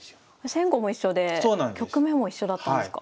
先後も一緒で局面も一緒だったんですか？